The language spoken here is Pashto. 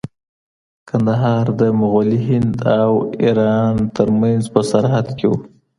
کندهار د مغلي هند او ایران ترمنځ په سرحد کې و.